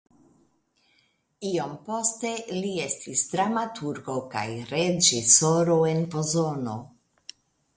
Iom poste li estis dramaturgo kaj reĝisoro en Pozono.